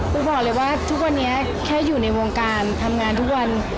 บอกเลยว่าทุกวันนี้แค่อยู่ในวงการทำงานทุกวัน